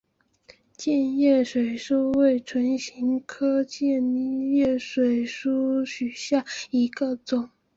箭叶水苏为唇形科箭叶水苏属下的一个种。